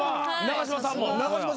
永島さんも。